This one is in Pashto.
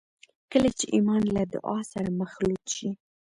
کله چې ایمان له دعا سره مخلوط شي